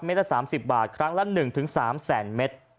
เมตรละสามสิบบาทครั้งละหนึ่งถึงสามแสนเมตร